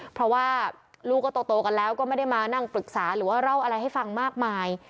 เพราะว่าลูกก็โตกันแล้วก็ไม่ได้มานั่งปรึกษาหรือว่าเล่าอะไรให้ฟังมากมาย